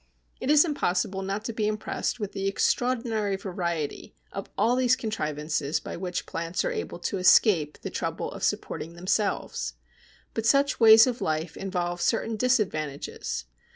It is impossible not to be impressed with the extraordinary variety of all these contrivances by which plants are able to escape the trouble of supporting themselves. But such ways of life involve certain disadvantages.